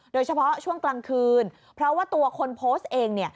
โดยเฉพาะช่วงกลางคืนเพราะว่าตัวคนโพสต์เอง